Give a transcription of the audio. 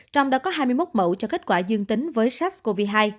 trong đó có hai mươi một mẫu cho kết quả dương tính với sars cov hai